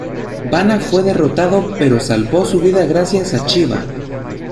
Bana fue derrotado pero salvó su vida gracias a Shivá.